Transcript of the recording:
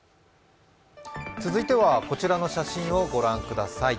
続いてはこちらの写真を御覧ください。